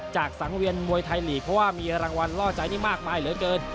สังเวียนมวยไทยลีกเพราะว่ามีรางวัลล่อใจนี่มากมายเหลือเกิน